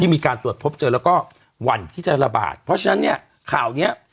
มีการตรวจพบเจอแล้วก็หวั่นที่จะระบาดเพราะฉะนั้นเนี่ยข่าวเนี้ย